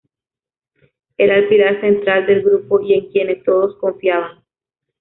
Era el pilar central del grupo y en quienes todos confiaban.